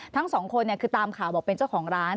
ทั้งสองคนคือตามข่าวบอกเป็นเจ้าของร้าน